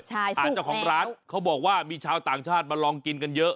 ใช่สุกแล้วอาจจะของร้านเขาบอกว่ามีชาวต่างชาติมาลองกินกันเยอะ